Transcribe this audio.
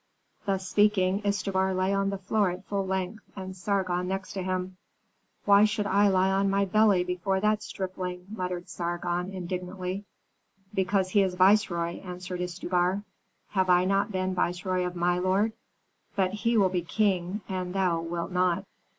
Thus speaking, Istubar lay on the floor at full length, and Sargon next to him. "Why should I lie on my belly before that stripling?" muttered Sargon, indignantly. "Because he is viceroy," answered Istubar. "Have I not been viceroy of my lord?" "But he will be king, and thou wilt not."